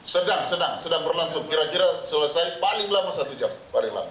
sedang sedang sedang berlangsung kira kira selesai paling lama satu jam paling lama